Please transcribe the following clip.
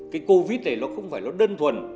cái covid này nó không phải nó đơn thuần